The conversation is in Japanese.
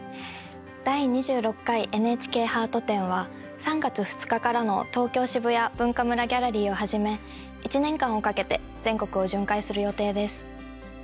第２６回ハート展は３月２日からの、東京・渋谷Ｂｕｎｋａｍｕｒａギャラリーをはじめ、１年間をかけて全国を巡回する予定です。